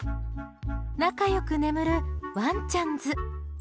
仲良く眠るワンちゃんズ。